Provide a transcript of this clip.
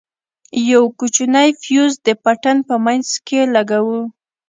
يو کوچنى فيوز د پټن په منځ کښې لگوو.